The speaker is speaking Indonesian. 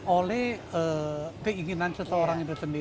oleh keinginan seseorang itu sendiri